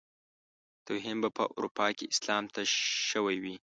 توهين به په اروپا کې اسلام ته شوی وي.